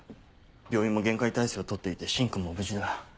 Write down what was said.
病院も厳戒態勢を取っていて芯君も無事だ。